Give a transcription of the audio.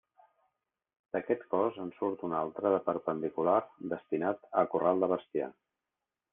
D'aquest cos en surt un altre de perpendicular destinat a corral de bestiar.